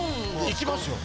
いきますよ。